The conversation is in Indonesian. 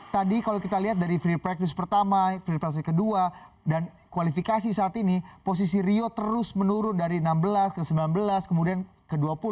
tadi kalau kita lihat dari free practice pertama free practice kedua dan kualifikasi saat ini posisi rio terus menurun dari enam belas ke sembilan belas kemudian ke dua puluh